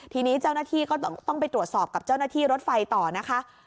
ทีนี้เจ้าหน้าที่ก็ต้องไปตรวจสอบกับเจ้าหน้าที่รถไฟต่อนะคะ